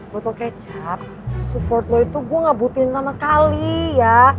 botol kecap support lo itu gue ngebutin sama sekali ya